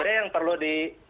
sebenarnya yang perlu di